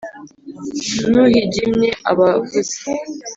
Nuhigimye aba avuze.